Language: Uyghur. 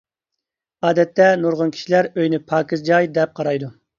ئادەتتە، نۇرغۇن كىشىلەر ئۆيىنى پاكىز جاي، دەپ قارايدۇ.